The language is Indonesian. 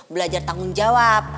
belajar tanggung jawab